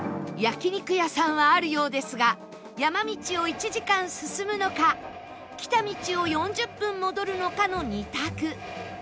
焼肉屋さんはあるようですが山道を１時間進むのか来た道を４０分戻るのかの２択